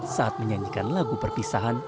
saat menyanyikan lagu perpisahan